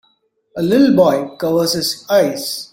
A little boy covers his eyes.